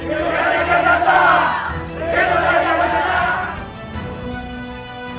kita dapat emas nak